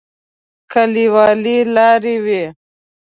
کليوالي لارې وې.